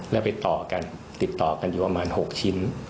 แล้วไปต่อกันติดต่อกันอยู่ประมาณ๖ชิ้น